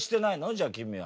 じゃあ君は。